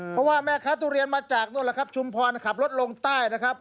เพราะว่าแม่ค้าทุเรียนมาจากนู่นแล้วครับชุมพรขับรถลงใต้นะครับ